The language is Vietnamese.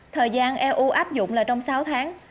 thời gian eu áp dụng là trong sáu tháng